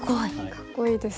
かっこいいですね。